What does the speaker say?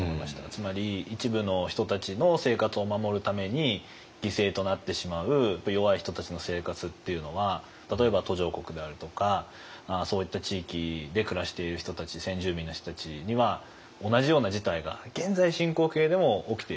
つまり一部の人たちの生活を守るために犠牲となってしまう弱い人たちの生活っていうのは例えば途上国であるとかそういった地域で暮らしている人たち先住民の人たちには同じような事態が現在進行形でも起きている。